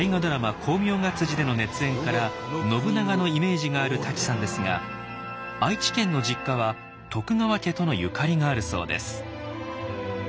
「功名が」での熱演から「信長」のイメージがある舘さんですが愛知県の実家は徳川家とのゆかりがあるそうです。